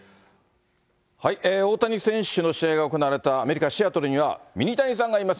大谷選手の試合が行われたアメリカ・シアトルにはミニタニさんがいます。